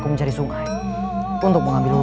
kau tidak akan mendapatkan doa bagi runa